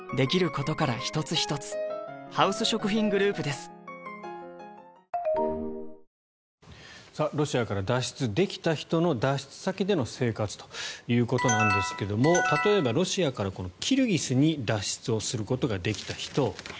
では、脱出できましたロシアから脱出できた人の脱出先での生活ということなんですが例えば、ロシアからキルギスに脱出することができた人。